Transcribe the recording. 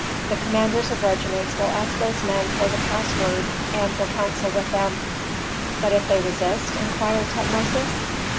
The commanders of regiments will ask those men for the password and will counsel with them." "But if they resist?" inquired Tutmosis.